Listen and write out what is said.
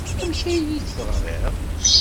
Amek ay iyi-d-teɣriḍ?